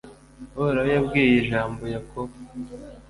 Uhoraho yabwiye ijambo Yakobo,